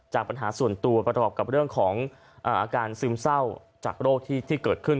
ปัญหาส่วนตัวประกอบกับเรื่องของอาการซึมเศร้าจากโรคที่เกิดขึ้น